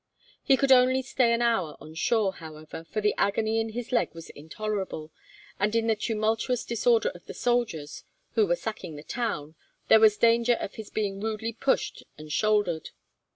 He could only stay an hour on shore, however, for the agony in his leg was intolerable, and in the tumultuous disorder of the soldiers, who were sacking the town, there was danger of his being rudely pushed and shouldered.